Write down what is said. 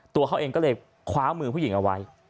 ตัวเขาเองก็เลยคว้ามือผู้หญิงเอาไว้